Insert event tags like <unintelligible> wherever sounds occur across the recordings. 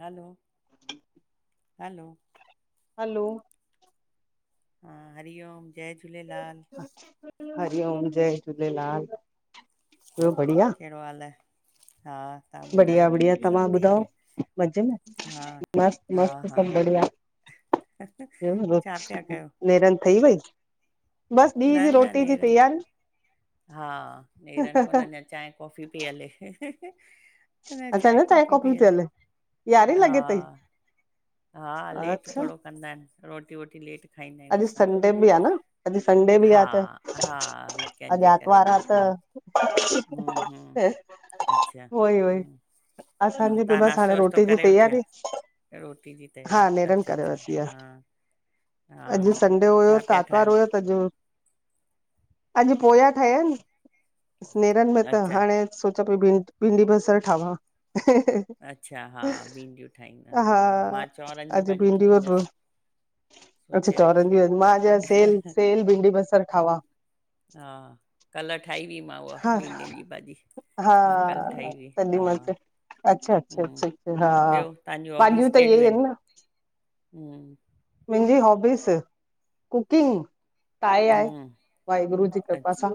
हलो hello hello हा हरिओम जय झूलेलाल। हरि ओम जय झूलेलाल। कहिड़ोहाल आहे। हा तव्हां बढिया ॿुधायो बढिया तव्हां सभु ठीकु ॿुधायो मजे में। हा मस्त हा मस्त हा सभु बढ़िया। छा पिया <unintelligible> कयो नेरन ठई वई। बस ॾींह न जी न रोटी जी नेरनि तेयारी। हा नेरन कोन अञा चांहि कॉफ़ी पई हले। <unintelligible> चांहि न चांय कॉफ़ी कॉपी पई थी हले यारेह हा लॻे तांई। हा लेट थोड़ो कंदा आहिनि रोटी वोटी लेट। खाईंदा आहियूं अॼु संडे असां बि आहे न अॼु संडे बि हा आहे त हा वीकेंड अॼु जे करे आर्तवार बि हा। <unintelligible> हम्म हम्म त अच्छा। उहोई उहोई हा असांजी बी तव्हां बस नाश्तो हाणे वाश्तो रोटी जी करे उथिया तेयारी। रोटी जी तेयारी अच्छा अच्छा हा। अॼु हा, संडे हुयो छा त पिया आतवार ठाहियो? हुयो त अॼु। अॼु पोयां ठहिया आहीन नेरन में त अच्छा, हाणे सोचा पई भिंडी बसर ठावा। अच्छा हा भिडियूं ठाईंदा हा मां चंवरन जी अॼु भाॼी ठाहींदसि। <inaudible> <unintelligible> चंवरन जी आहे। अॼ मां अॼ सेल सेल भिंडी बसर खावां। हा कल्ह ठाही हुई मां उहा हा भींडिन जी भाॼी। हा मां कल्ह ठाही हुई, तॾहिं हा, मस्त। अच्छा अच्छा हम्म, अच्छा अच्छा हा ॿियो तव्हांजूं हॉबीस भाॼियूं त इहे कहिड़ियूं आहिनि न। <unintelligible> <unintelligible> कुकिंग <unintelligible> आहे। हम्म, वाहेगुरु जी कृपा अच्छा सां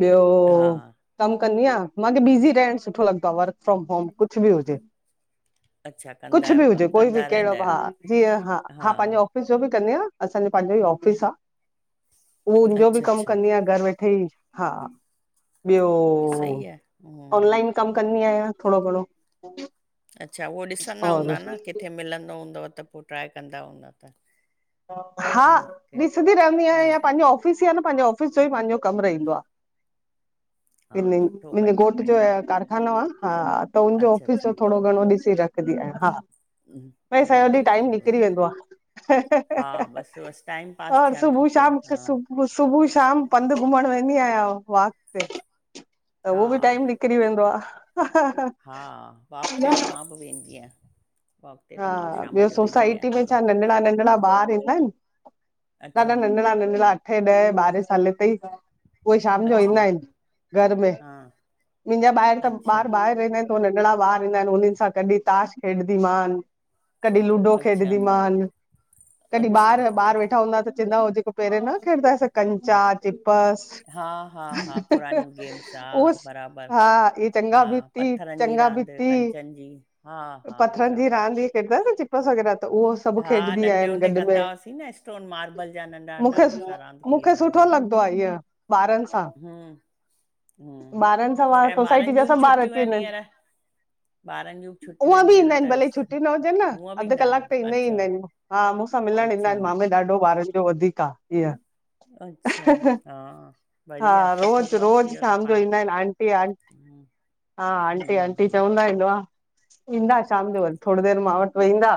ॿियो हा, कम कंदीयां। माखे बीज़ी रहण सुठो लगदो आ वर्क फ्रोम होम कुछ बि हुजे। अच्छा कंदा कुछ आहियो बि हुजे कमु, कोई बि कंदा केहिड़ो रहंदा बि आहियो, हा जीअं हा हा पंहिंजे ऑफिस जो बि कंदियां असांजो पांजो ई ऑफिस आ उहो उनजो बि अच्छा, कम अच्छा, कंदियां घर वेठे <unintelligible> हा ॿियो सही आहे, हम्म। ऑनलाइन कम कंदी आहियां। थोड़ो घणो अच्छा उहो ॾिसंदा और हूंदा न किथे मिलंदो हूंदव त पोइ ट्राए कंदा हूंदा त। हा न केक ॾिसदी रहंदी हम्म आहियां पंहिंजो ऑफिस ई आ न पंहिजो। ओफिस जो ई पंहिंजो कम रहिंदो आ। हा सुठो मुंहिंजे बढ़िया घोट जो बढ़िया कारखानो आ हा त हुनजो अच्छा ऑफिस अच्छा जो थोड़ो घणो ॾिसी रख हा हम्म भई सॼो ॾींह टाइम हम्म उहो निकिरी वेंदो आ। हा बस बस टाइम पास थियण खपे हा। पंध घुमड़ वेंदी आहियां वाक ते त हा उहो बि टाइम निकरी वेंदो आ। हा वाक ते त मां बि वेंदी आहियां। वॉक ते त हा मां बि शाम ॿियो जो वेंदी आहियां सोसाइटी में थोरो छा नंढिड़ा नंढिड़ा ॿार ईंदा आहिन। डाढा अच्छा नंढड़ा नंढड़ा अठे ॾहें ॿारहें साले ताईं उहे शाम जो ईंदा अच्छा आहिन घर में हा मुंहिंजा ॿाहिर त अच्छा ॿार ॿाहिर रहंदा आहिनि त हू नंढिड़ा ॿार ईंदा आहिन उन्हनि सां कडी ताश खेॾदीमान कडी लूडो अच्छा खेॾदीमान कॾहिं अच्छा ॿार ॿार वेठा हूंदा त चवंदा हुआ जेको पहिरे न खेॾदा ह सी कंचा पस हा हा हा पुराणियूं गेम्स हा उ हा इ चंगा बिपी <unintelligible> रांद कंचन जी हा हा बराबर। जिंअ खेडदा हा स चिपस त उहो सभु हा खेॾंदी नंढे आहिनि हूंदे गॾु कंदा में हुआसीं न स्टोन मार्बल जा नंढा नंढा मूंखे हुन सां रांद मूंखे खेलींदा हुआसीं। सुठो लॻदो आ ईंयं ॿारन सां। हम्म हम्म ॿारन सां पाण ऐं सोसाइटी जा सब ॿार अची वेंदा आहिन। ॿारन जूं बि छुट्टियूं आहिंन हींअर त छुट्टी न हुजेन न हूअं बि अध न न कलाक त ईंदा ही अच्छा ईंदा आहिन हा मूंसां मिलण ईंदा अच्छा आहिन मामे ॾाढो ॿारन जो वधीक आहे इअं अच्छा हा हा बढ़िया सुठो रोज़ कम रोज़ इहो त शाम जो पाण ईंदा आहिनि आंटी आं हूं हा आंटी आंटी चवंदा इंदो आ ईंदा शाम जो वरी थोडी देर मां वट वेहिंदा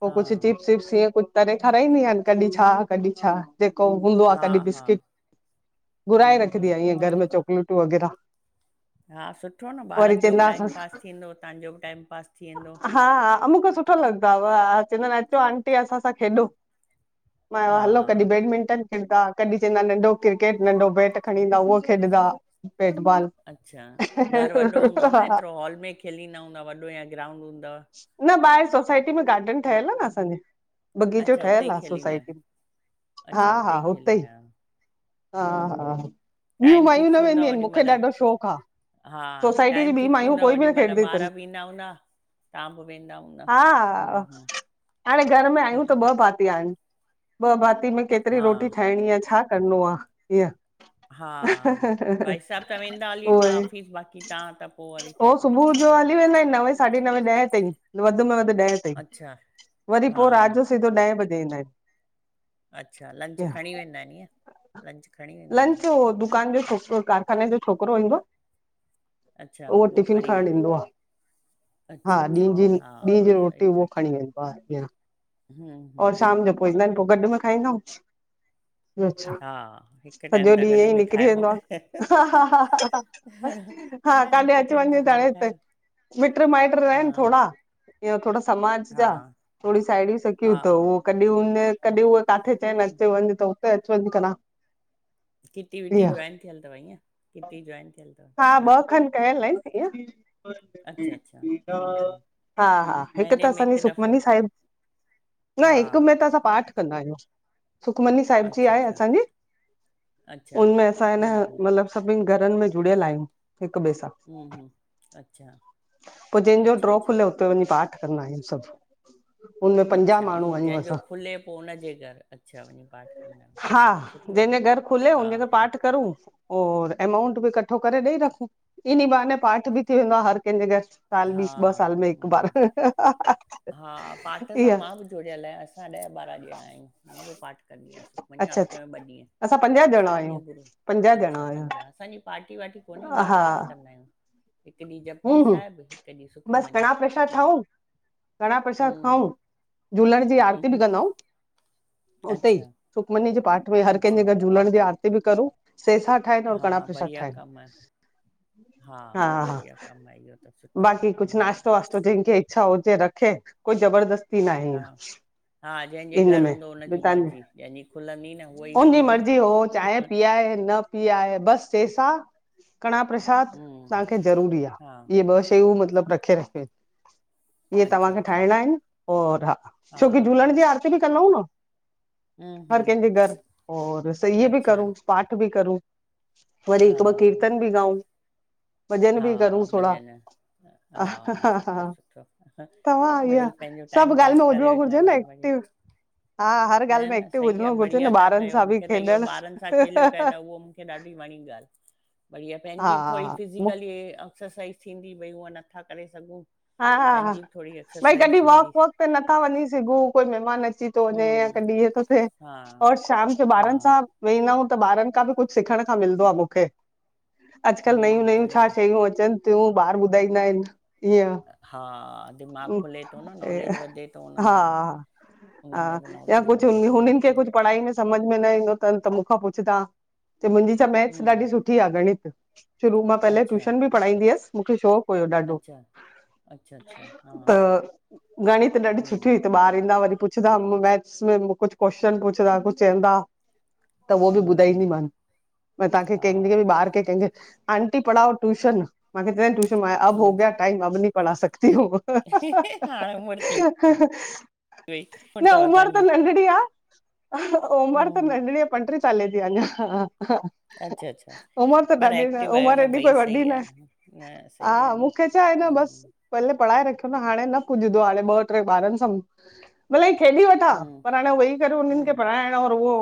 पो हा कुछ चिप्स-विप्स ईअं कुछ तरे खाराईंदी आहिन कॾहिं छा कॾहिं छा जेको हूंदो आ हा कॾहिं हा बिस्किट, घुराए हम्म रखदी हम्म आ इअं घर में चॉकलेटूं वग़ैरा हा सुठो न ॿारन जो बि चवंदा टाइम असां पास थींदो तव्हांजो बि टाइम पास थी वेंदो हा मुखे सुठो लॻदो आ चवंदा आहिन अचो आंटी असां सां खेॾो मां हलो कॾहिं हा बैडमिंटन खेॾदा कॾहिं चईंदा नंढो क्रिकेट नंढो बैट खणी ईंदा उहो खेॾदा अच्छा, घर वॾो हूंदो न हा एतरो, हॉल में खेलींदा हूंदा वॾो या ग्राउंड हूंदव न ॿाहिरि सोसाइटी में गार्डन ठहियल आ न असांजे बगीचो अच्छा हुते ठहियल ई आ खेलींदा आहियो, सोसाइटी में हा अच्छा हा उते ई हुते खेलींदा अन हा हा ॿियूं माइयूं फिक्स न हूंदव वेंदियूं आहिन ओॾीमहिल मुखे ॾाढो शौक़ आ हा टाईम फिक्स हूंदव ओॾी महिल खेॾंदी ॿार अथनि बि ईंदा हूंदा तां बि वेंदा हूंदा हा हूं हूं हाणे घर में आहियूं त ॿ भाती आहिन ॿ भाती में केतिरी हा रोटी ठाहिणी आ छा करिणो आ? ईंअ हा भाईसाहब त वेंदा हली उहो हूंदा ई ऑफिस बाक़ी तव्हां त पो वरी थिए थो न पो हली वेंदा आहिंन न साढे नवें ॾहं तईं, वध में वध ॾहं तईं, अच्छा वरी हा पो रात जो सिधो ॾहें बजे वेंदा आहिंन अच्छा लंच खणी वेंदा आहिन ईंअं लंच खणी वेंदा आहिन लंच हो दुकान जो कारखाने जो छोकरो ईंदो आ, अच्छा उहो टिफिन खणी खणन वेंदो ईंदो आ हा अच्छा, अच्छा। ॾींहं जी हा, ॾींहं हा, जी रोटी सही। उहो खणी वेंदो आहे हिंअर हूं, और हूं। शाम जो पोइ ईंदा आहिन पो गॾु में खाईंदाउं हा हिक टाईम त ईअं गॾु ई में निकिरी खाइबो वेंदो न आ हा हा हा हा न काॾे हिकु अच टाइम वञजे त हाणे गॾु हिते खायो। मिट्र माएट्र रहनि हा, थोड़ा इहो थोड़ा समाज जा, हा, थोड़ी साहिड़ी स हा। कॾहिं उंडे, कॾहिं उहो तांखे चईन अच वञ त हुते अच वञ करां किटी-विटी जॉइन कयलअथव ईंअ? किटी जॉइन कयल थव हा न ॿ खनि अच्छा, अच्छा। हूं, हूं। <unintelligible> हा हा हिक त महीने में असांजी हिकु दफ़ो? सुखमनी साहिब न हा। हिक में त असां पाठ कंदा आहियूं सुखमनी साहिब जी अच्छा, आहे अच्छा, असांजी अच्छा। उनमें असां एं न हूं, हूं, मतलब सभिन घरन में जुड़ियल आहियूं हिक ॿे सां हूं, हूं। अच्छा, पोइ जंहिंजो अच्छा, ड्रॉ अच्छा। खुले हुते वञी पाठ कदां आहिंन सभ अच्छा ईअं जंहिंजो खुले पो हुनजे घर अच्छा वञी पाठ कंदा हा <unintelligible> सुठो जंहिंजे घर खुले हा, उनजे घर हा। पाठ करूं और एमाउंट बि कट्ठो करे ॾेई रखूं इनी बहाने पाठ बि थी वेंदो आ हर कंहिंजे घर। साल हा बीस ॿ साल में हिक बार हा पाठ अच्छा मां बि जुड़ियल आहे असां ॾह ॿारहा ॼणा आहियूं मां बि पाठ कंदी आहियां वञा अच्छा हफ़्ते में ॿ ॾींहं असां पंजाह असां ॼणा आहियूं ईअं गुरू पंजाह अच्छा ॼणा आहियूं पंजाह असांजी पार्टी-वार्टी कोन्हे ईअं ई हा पाठ कंदा आहियूं हिक ॾींह जपजी साहिब हिकु ॾींहुं बस सुखमनी कणा प्रशाद ईअं ठाउं कणा प्रशाद खाऊं झूलण जी आरती बि हम्म कंदाऊं उते ई अच्छा सुखमनी जे पाठ में हर कंहिंजे अच्छा घर झूलण जी आरती बि करूं सेसा ठाहिंदाव और हा कणा प्रसाद बढ़िया ठाहिनि कमु आहे हा हा कमाइंदो बाकी कुछ नाश्तो-वाश्तो जिनखे इच्छा हुजे रखे कोई ज़बरदस्त नाही हा आ हा जंहिंजे घर हूंदो हुनजी मर्जी जंहिंजी खुलंदी न उहो ई हुनजी ॾींदो न ही आहे बस सेसा कणा प्रशाद हम्म तांखे जरूरी आ हा इहे ॿ शयूं मतलब रखे रखे इहे अच्छा तव्हांखे अच्छा ठाहिणा आहिन और हा छोकी हा झूलण जी आरती बि कंदाउं न हूं, हर हूं, कंहिंजे घर और इए बि अच्छा, करूं पाठ बि करूं वरी हा, हिक ॿ कीर्तन बि गाऊं हा भॼन हा सुठो सुठो तव्हां इहा मिड़ई पंहिंजो सभु टाईम ॻाल्हि पास में करे हुजिणो वेठा घुरिजे आहियो न बढिया एक्टिव हा हर न, ॻाल्हि में न एक्टिव सही आ, हुजिणो घुरिजे बढ़िया न था ॿारनि कयो सां बि मूंखे त इहो खेॾण ॿारनि सां खेलियो कयो थव उहो मूंखे ॾाढी वणी। ॻाल्ह बढिया हा पंहिंजी बि थोड़ी फि त एक्सरसाइज़ थींदी भई उहे नथा करे सघूं हा हा हा पंहिंजी बि थोरी भई एक्सरसाइज़ कॾहिं थींदी, वॉक-वॉक ते नथा वञी सघूं, कोई महमान अची तोॾे या हूं, कॾी इअ थो थे और हा, शाम जो बारनि हा, सां वेई न उ त ॿारनि खां बि कुछ सिखण खां मिलंदो आ मुखे अॼुकल नयूं हूं, नयूं छा बढ़िया, शयूं अचनि ॿियो ॿार ॿुधाईंदा आइनि इअं हा दिमाग़ु खुले तो न नॉलेज वधे तो उनमें बि। हुन हा में बि या नॉलेज कुछ वधे थो न, हुनिन खे कुछ पढ़ाईंदस समझ में न ईंदो अथनि त मूंखां पुछदा, मुंहिंजी छा मैथ्स ॾाढी हूं, सुठी आ गणित शुरू मां पहले अच्छा ट्यूशन बि पढ़ाईंदी असि मूंखे शौक़ अच्छा अ अ गणी त ॾाढी सुठी हम्म, हुई त ॿार ईंदा वरी पुछदा मैथ्स में मुखे कुछ कोशन पुछदा कुछ च‌एदा। त उओ बि हम्म, हम्म, ॿुधाईंदीमानि पर तांखे कंहिंखे हा, बि ॿार खे कंहिंखे आंटी पढ़ाओ ट्यूशन, मांखे च‌एन ट्यूशन मां अब हो हम्म, गया टाइम अब नी पढ़ा सघ इहो हाणे उमिरि थी वई, उमिरि न अथव उमिर त तव्हांजी, नढड़ी आ उमर त हम्म, नढणी आ पंटरी साले जी अया अञा अच्छा, अच्छा, उमिरि त पर ॾाढी न एक्टिव आहियो उमिरि एॾी कोई भई वॾी सही नाए, आहे, न सही हा आहे न, मुखे छा आए न हम्म, बसि भले पढ़ाए रखियो न हाणे न पुॼंदो हाणे ॿ टे ॿारनि साम्हूं भले खेॾी वठां हम्म, पर हाणे वेई करे उननि खे हम्म, पढ़ाइण और उओ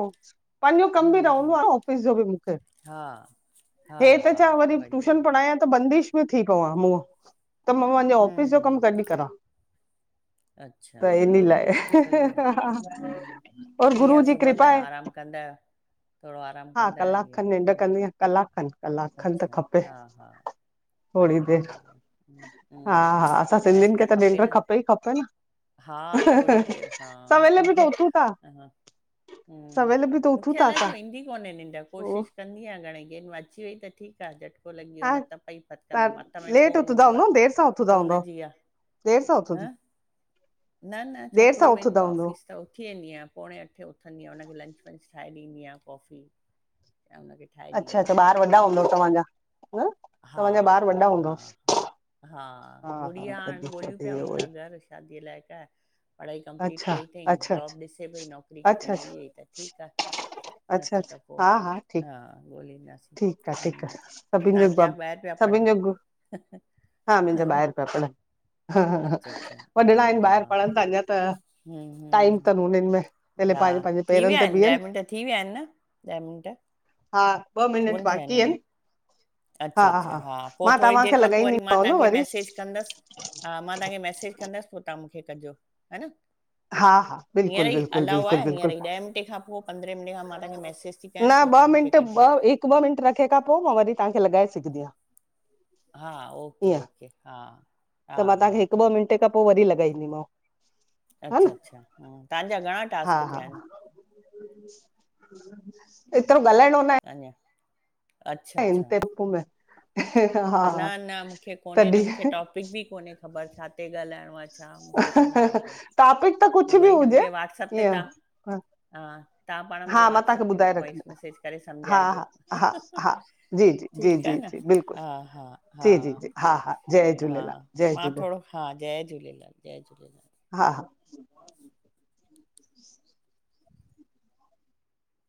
पांजो कम बि हम्म, रहंदो हम्म, आए ऑफ़िस जो बि मुखे हा, हा, हे त हा, छा वरी बढ़िया, टूशन पढ़ाया त बंदिश थी पवा उव, त मां पांजे ऑफ़िस हम्म, जो कमु हम्म, कॾहिं करां अच्छा, त हम्म, इनीलाए हम्म, सही आहे, हम्म, और गुरू ॾींहं जो जी सुम्हंदा कृपा आए <unintelligible> आरामु हा कंदा कलाक आहियो ॾींहं, खनि निंढ न, कंदी आया कलाक खनि कलाक खनि त अच्छा खपे हा हा थोरी बढ़िया देरि बढ़िया। हम्म हा हम्म हा असां रेस्ट सिंधियुनि खे त निंड्र न खपे ई खपे न। हा थोड़ी देर हा सवेल बि त ह उथूं था हम्म सवेल बि त उथूं मुखे था अलाए असां छो ईंदी कोने निंड कोशिशि कंदी आया घणेेई केॾी माल अची वई त ठीकु आए झटको लॻी वियो हा न त पई फतकंदमि हथ तव्हां में लेट फ़ोन हूंदो आए फ़ोन जी आए देर सां उथंदमि न न छोकिरो वेंदो आए ऑफ़िस त उथी वेंदी आया पोणे अठे उथंदी आया हुनखे लंच वंच ठाए ॾींदी आयां कॉफ़ी ऐं उनखे ठाए ॾींदी आया। त वॾा हूंदव तव्हांजा, हा तव्हांजा ॿार वॾा हूंदव? हा हा हा हा गुड़िया हाण तॾहिं ॻोल्हियूं पिया तॾहिं उन उहो ई लाए घर शादीअ लाइक आए पढ़ाई कंपलीट अच्छा कई थई, अच्छा अच्छा जॉब ॾिसे पई नौकिरी किथे अच्छा मिली वई त ठीकु आए। अच्छा अच्छा हा हा ठीकु ॻोल्हींदासीं ठीकु आए ठीकु हम्म आए सभी सभिन तव्हांजा जो ॿाहिरि पिया <unintelligible> सभिन पढ़नि जो, हा मुंहिंजा ॿाहिरि पिया पढ़नि। हा हा हा अच्छा अच्छा हा वॾणा आइनि हा ॿाहिरि हा पढ़नि ता अञा त हम्म टाइम हम्म थनि उननि में। पहले हा पंहिंजे पंहिंजे थी पेरनि विया ते आइनि ॾह बीहनि मिंट थी विया आइनि न त ॾह मिंट हा ॿ मीनिट कोन थिया आहिनि बाक़ी अञा आइनि। अच्छा अच्छा हा पो थोड़ी देरि खां पो वरी मां लॻाईंदीमांव न तांखे वरी मैसेज कंदसि। हा मां तांखे मैसेज कंदसि पो तां मुखे कजो, हा न। हा हा हींअर बिल्कुलु ई बिल्कुलु अलाउ बिल्कुलु आए हींअर बिल्कुलु ई ॾह मिंटे खां पो पंद्रहें मिंटे खां मां तांखे मैसेज ती कयां। हा, पोइ ॿ तव्हां मूंखे मिंट कजो ॿ हिक ॿ मिंट रखे खां पो मां वरी तांखे लघाए सघंदी आया। हा ओके ओके हा हा हा। पो वरी लॻाईंदीमांव। हा अच्छा न अच्छा अऊं तांजा घणा हा टास्क हा थिया आइनि? एतिरो ॻाल्हाइणो न आए। अञा अच्छा इन अच्छा ते रूप में हा न न मूंखे कोन्हे न तॾहिं मूंखे टॉपिक बि कोन्हे ख़बर छा ते ॻाल्हाइणो आहे अच्छा मूंखे कोन्हे आइडिया टॉपिक त कुझु उह बि ई न हुजे मूंखे वाट्सप ते ईअं तव्हां हा तव्हां पाण मूंखे हा मां वॉट्सप तव्हांखे ते ॿुधाए रखंदी वॉइस मैसेज करे हा सम्झाइजो हा हा हा जी जी जी ठीकु आहे जी न। जी बिल्कुलु हा हा हा जी जी जी हा हा जय हा झूलेलाल जय मां झूलेलाल थोड़ो हा जय झूलेलाल जय झूलेलाल। <inaudible>